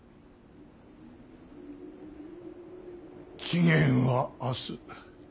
期限は明日。